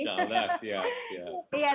insya allah siap